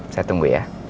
saya tunggu ya